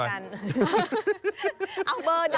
เอาเบอร์เดี๋ยวเราติดต่อน้องไป